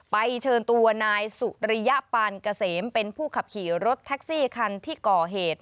เชิญตัวนายสุริยปานเกษมเป็นผู้ขับขี่รถแท็กซี่คันที่ก่อเหตุ